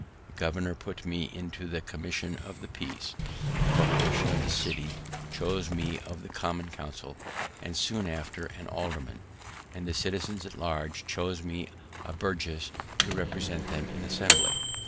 The governor put me into the commission of the peace; the corporation of the city chose me of the common council, and soon after an alderman; and the citizens at large chose me a burgess to represent them in Assembly.